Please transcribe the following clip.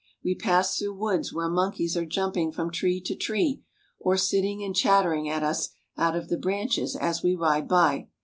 We pass through woods where monkeys are jumping from tree to tree, or sitting and chattering at us out of the branches as we ride by.